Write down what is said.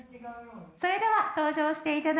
それでは登場していただきましょう。